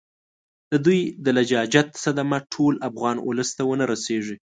د دوی د لجاجت صدمه ټول افغان اولس ته ونه رسیږي.